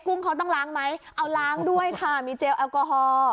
ุ้งเขาต้องล้างไหมเอาล้างด้วยค่ะมีเจลแอลกอฮอล์